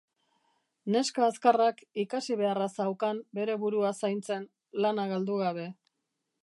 Neska azkarrak ikasi beharra zaukan bere burua zaintzen, lana galdu gabe.